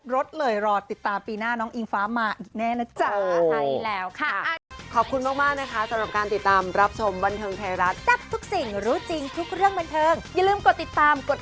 รถเลยรอติดตามปีหน้าน้องอิงฟ้ามาอีกแน่นะจ๊ะ